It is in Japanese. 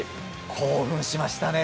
興奮しましたね。